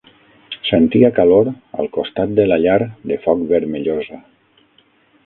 Sentia calor al costat de la llar de foc vermellosa.